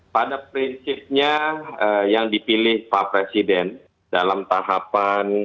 pada prinsipnya yang dipilih pak presiden dalam tahapan